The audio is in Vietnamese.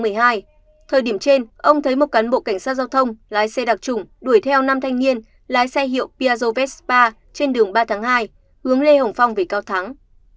thời điểm trên ông thấy một cán bộ cảnh sát giao thông lái xe đặc trùng đuổi theo năm thanh niên lái xe hiệu piazoves ba trên đường ba tháng hai hướng lê hồng phong về cao thắng